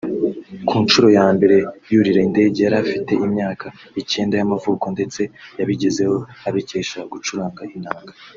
Ku nshuro ya mbere yurira indege yari afite imyaka icyenda y’amavuko ndetse yabigezeho abikesha gucuranga inanga